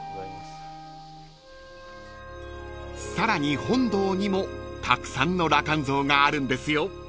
［さらに本堂にもたくさんの羅漢像があるんですよ］